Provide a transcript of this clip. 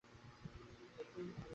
তিনি এখন ব্রিটেনের রাণী।